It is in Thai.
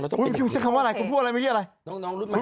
คุณพูดอะไรมีคำว่ายไง